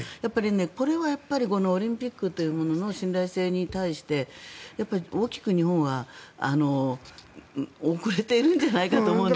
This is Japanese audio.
これはオリンピックというものの信頼性に対して大きく日本は遅れているんじゃないかと思うんです。